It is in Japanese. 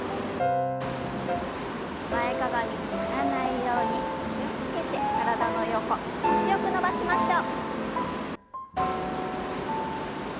前かがみにならないように気を付けて体の横気持ちよく伸ばしましょう。